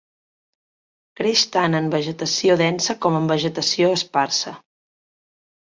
Creix tant en vegetació densa com en vegetació esparsa.